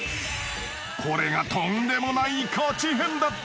［これがとんでもないカチヘンだった］